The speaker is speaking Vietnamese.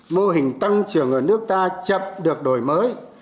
mô hình tăng trưởng ở nước ta chậm được đổi mới